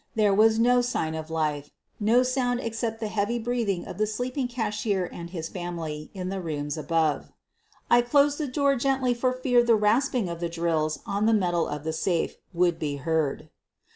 There was no sign of life — no sound except the heavy breathing of the sleeping cashier and his family in the rooms above. I closed the door gently for fear the rasping of the drills on the metal of the safe would be heard.